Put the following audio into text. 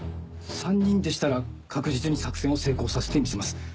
３人でしたら確実に作戦を成功させてみせます。